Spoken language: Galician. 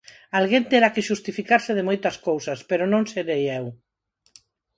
Alguén terá que xustificarse de moitas cousas, pero non serei eu.